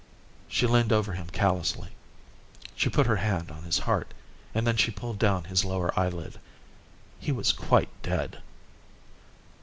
She leaned over him callously. She put her hand on his heart and then she pulled down his lower eye lid. He was quite dead.